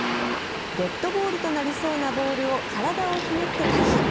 デッドボールとなりそうなボールを体をひねって回避。